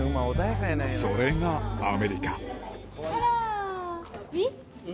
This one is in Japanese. それがアメリカ。